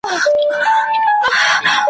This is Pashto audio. مړ چي دي رقیب وینم، خوار چي محتسب وینم ,